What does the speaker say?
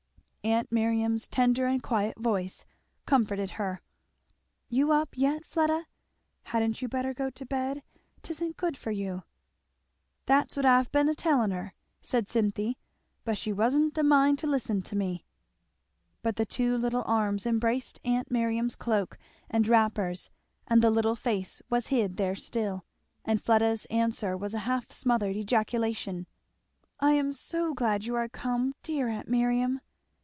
Aunt Miriam's tender and quiet voice comforted her. "You up yet, Fleda! Hadn't you better go to bed? 'Tisn't good for you." "That's what I've been a telling her," said Cynthy, "but she wa'n't a mind to listen to me." But the two little arms embraced aunt Miriam's cloak and wrappers and the little face was hid there still, and Fleda's answer was a half smothered ejaculation. "I am so glad you are come, dear aunt Miriam!"